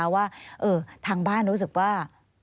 ว่าทางบ้านรู้สึกว่า